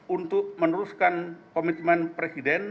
untuk meneruskan komitmen presiden